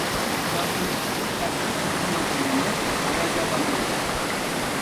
ياسىن تەسىرلىك بىر كىنو كۆرگەندەك ھاياجانلاندى.